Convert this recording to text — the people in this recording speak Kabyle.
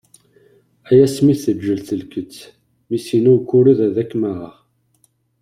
Ay asmi teǧǧel telket, mi s-yenna ukured ad kem-aɣeɣ!